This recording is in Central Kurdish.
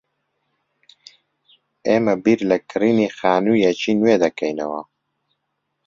ئێمە بیر لە کڕینی خانوویەکی نوێ دەکەینەوە.